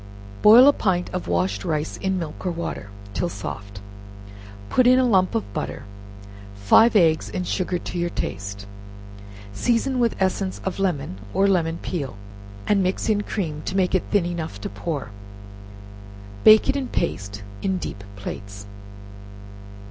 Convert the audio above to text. Boil a pint of washed rice in milk or water, till soft, put in a lump of butter, five eggs, and sugar to your taste, season with essence of lemon, or lemon peel, and mix in cream to make it thin enough to pour, bake it in paste, in deep plates.